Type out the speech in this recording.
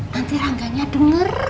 nanti rangganya denger